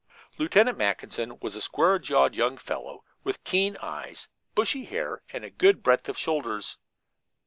Lieutenant Mackinson was a square jawed young fellow with keen eyes, bushy hair and a good breadth of shoulders.